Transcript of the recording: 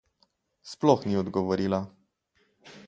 Sploh ni odgovorila.